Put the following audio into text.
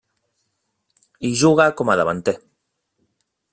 Hi juga com a davanter.